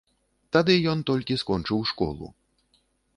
Тады ён толькі скончыў школу.